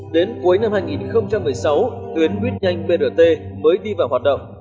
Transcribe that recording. đến cuối năm hai nghìn một mươi sáu tuyến buýt nhanh brt mới đi vào hoạt động